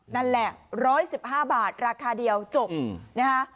นั่นแหละร้อยสิบห้าบาทราคาเดียวจบนะฮะ